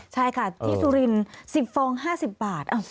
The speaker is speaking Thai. ใช่ค่ะที่สุรินทร์๑๐ฟอง๕๐บาท